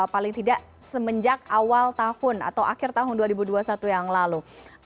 paling tidak semenjak awal tahun atau akhir tahun dua ribu dua puluh satu yang lalu